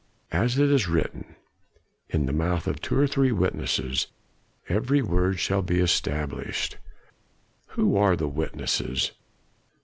As it is written, 'in the mouth of two or three witnesses every word shall be established.'" "Who are the witnesses?"